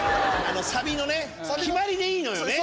サビのね決まりでいいのよね。